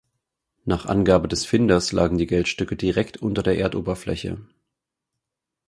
Nach Angabe des Finders lagen die Geldstücke direkt unter der Erdoberfläche.